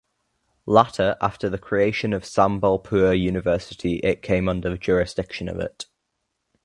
Latter after the creation of Sambalpur University it came under the jurisdiction of it.